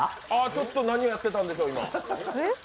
ちょっと何をやってたんでしょう、今。